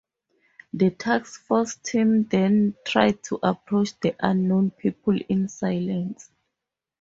The task force team then tried to approach the unknown people in silence.